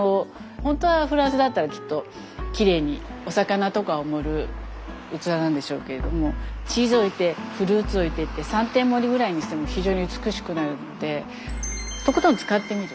本当はフランスだったらきっとキレイにお魚とかを盛る器なんでしょうけれどもチーズ置いてフルーツ置いてって三点盛りぐらいにしても非常に美しくなるのでとことん使ってみる。